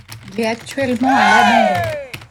Il est actuellement à l’abandon.